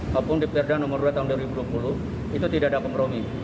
maupun di perda nomor dua tahun dua ribu dua puluh itu tidak ada kompromi